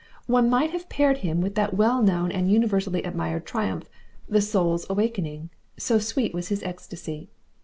One might have paired him with that well known and universally admired triumph, 'The Soul's Awakening,' so sweet was his ecstasy.